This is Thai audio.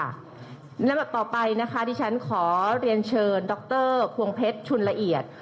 และต่อไปนะคะที่ฉันขอเรียนเชิญดรควงเพชรชุนละเอียด